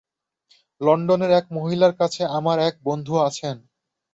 লণ্ডনের এক মহিলার কাছে আমার এক বন্ধু আছেন।